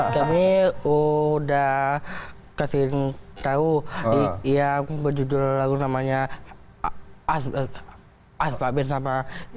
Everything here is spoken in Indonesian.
kami udah kasih tau yang berjudul lagu namanya aspar sama